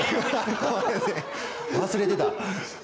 忘れてた。